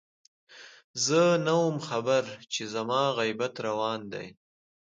زه نه وم خبر چې زما غيبت روان دی